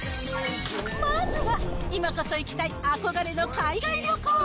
まずは、今こそ行きたい憧れの海外旅行。